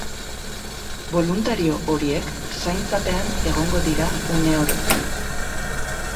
Boluntario horiek zaintzapean egongo dira uneoro.